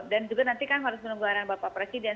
dan juga nanti kan harus menunggu arahan bapak presiden